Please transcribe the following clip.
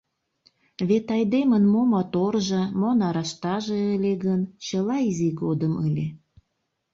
Вет айдемын мо моторжо, мо нараштаже ыле гын, чыла изи годым ыле.